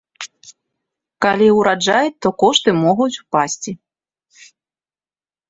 Калі ураджай, то кошты могуць упасці.